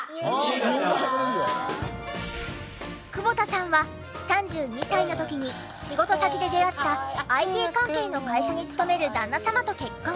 久保田さんは３２歳の時に仕事先で出会ったＩＴ関係の会社に勤める旦那様と結婚。